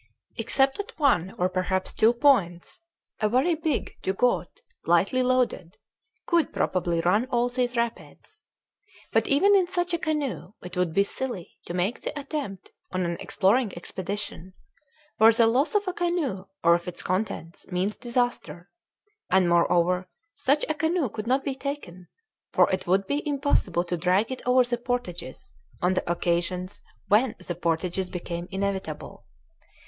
Except at one or perhaps two points a very big dugout, lightly loaded, could probably run all these rapids. But even in such a canoe it would be silly to make the attempt on an exploring expedition, where the loss of a canoe or of its contents means disaster; and moreover such a canoe could not be taken, for it would be impossible to drag it over the portages on the occasions when the portages became inevitable.